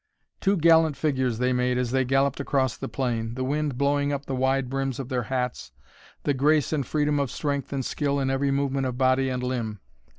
Two gallant figures they made as they galloped across the plain, the wind blowing up the wide brims of their hats, the grace and freedom of strength and skill in every movement of body and limb.